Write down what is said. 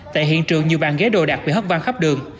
tại hiện trường nhiều bàn ghế đồ đặt bị hất vang khắp đường